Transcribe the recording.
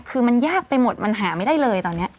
คือมันยากไปหมดมันหาไม่ได้เลยตอนนี้